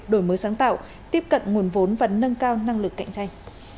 đổi mới sáng tạo tiếp cận nguồn vốn và nâng cao năng lực cạnh tranh